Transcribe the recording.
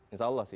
insya allah sih